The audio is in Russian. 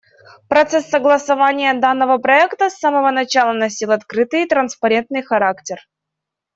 Процесс согласования данного проекта с самого начала носил открытый и транспарентный характер.